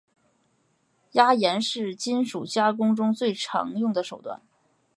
压延是金属加工中最常用的手段。